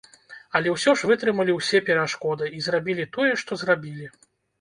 Але ўсё ж вытрымалі ўсе перашкоды і зрабілі тое, што зрабілі!